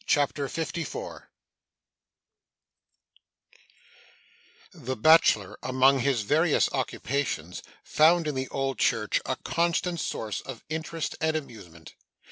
CHAPTER 54 The bachelor, among his various occupations, found in the old church a constant source of interest and amusement.